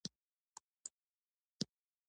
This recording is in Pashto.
تواب ژېړو اوبو ته ودرېد.